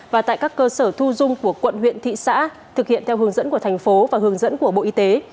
và tại các cơ sở thu dung của quận huyện thị xã thực hiện theo hướng dẫn của thành phố và hướng dẫn của bộ y tế